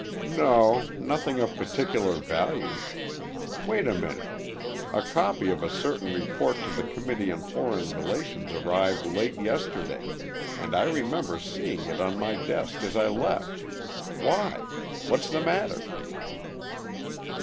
"No, nothing of particular value. Wait a minute! A copy of a certain report to the Committee on Foreign Relations arrived late yesterday and I remember seeing it on my desk as I left. Why? What's the matter?"